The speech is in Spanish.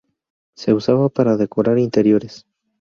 Se usaba para decorar interiores.